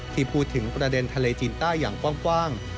ที่พูดถึงประเด็นทะเลจีนใต้อย่างกว้าง